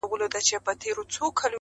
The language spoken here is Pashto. او په څېر چي د اوزګړي لېونی سي -